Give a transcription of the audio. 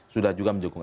sudah juga mendukung